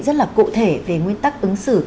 rất là cụ thể về nguyên tắc ứng xử